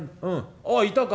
ああいたか。